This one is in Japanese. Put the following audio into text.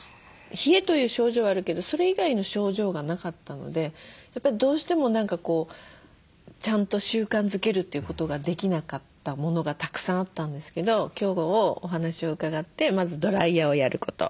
冷えという症状はあるけどそれ以外の症状がなかったのでやっぱりどうしても何かこうちゃんと習慣づけるっていうことができなかったものがたくさんあったんですけど今日お話を伺ってまずドライヤーをやること。